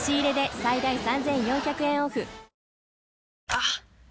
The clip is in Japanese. あっ！